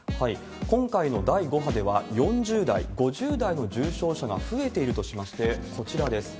今回の第５波では、４０代、５０代の重症者が増えているとしまして、こちらです。